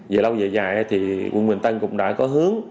về lâu dài dài thì quận bình tân cũng đã có hướng